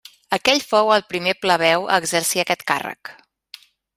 Aquell fou el primer plebeu a exercir aquest càrrec.